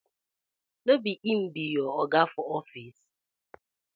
No bi him bi yu oga for office?